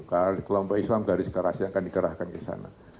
kelompok islam garis kerasnya akan dikerahkan ke sana